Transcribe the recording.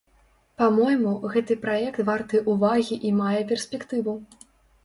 Па-мойму, гэты праект варты ўвагі і мае перспектыву.